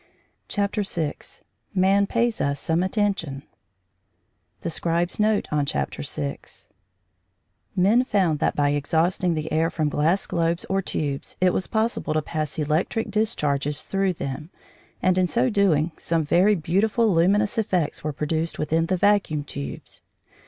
CHAPTER VI MAN PAYS US SOME ATTENTION THE SCRIBE'S NOTE ON CHAPTER SIX Men found that by exhausting the air from glass globes or tubes it was possible to pass electric discharges through them, and in so doing some very beautiful luminous effects were produced within the vacuum tubes.